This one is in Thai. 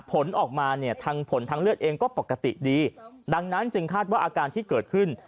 ผลออกมาเนี่ยทางผลทางเลือดเองก็ปกติดีดังนั้นจึงคาดว่าอาการที่เกิดขึ้น